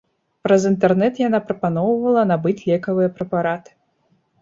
Праз інтэрнэт яна прапаноўвала набыць лекавыя прэпараты.